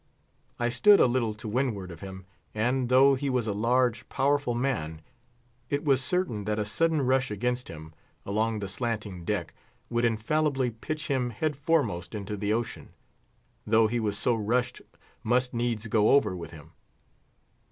I stood a little to windward of him, and, though he was a large, powerful man, it was certain that a sudden rush against him, along the slanting deck, would infallibly pitch him headforemost into the ocean, though he who so rushed must needs go over with him.